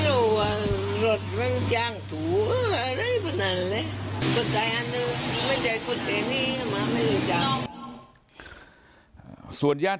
ส่วนญาติผู้เชี่ยง